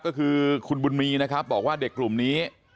ก็คือคุณบุญมีนะครับบอกว่าเด็กกลุ่มนี้